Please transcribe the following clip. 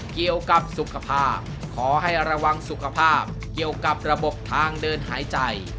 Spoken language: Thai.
เกี่ยวกับสุขภาพขอให้ระวังสุขภาพเกี่ยวกับระบบทางเดินหายใจ